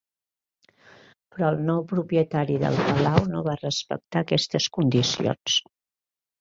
Però el nou propietari del palau no va respectar aquestes condicions.